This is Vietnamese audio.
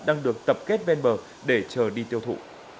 đang được tập kết ven bờ để chờ đi tiêu thụ